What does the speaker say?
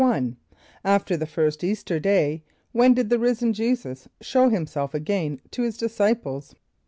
=1.= After the first Easter day, when did the risen J[=e]´[s+]us show himself again to his disciples?